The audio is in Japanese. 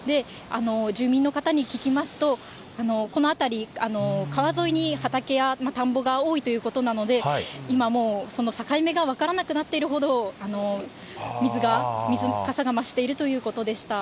住民の方に聞きますと、この辺り、川沿いに畑や田んぼが多いということなので、今、もうその境目が分からなくなってるほど、水かさが増しているということでした。